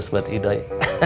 dua ratus buat idoi